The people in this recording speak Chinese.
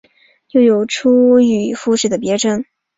又有出羽富士的别称。